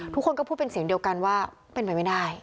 ทุกคนก็พูดเป็นเสียงเดียวกันว่าเป็นไปไม่ได้